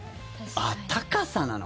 あっ、高さなの。